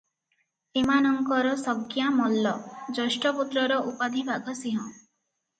ଏମାନଙ୍କର ସଂଜ୍ଞା ମଲ୍ଲ, ଜ୍ୟେଷ୍ଠପୁତ୍ରର ଉପାଧି ବାଘସିଂହ ।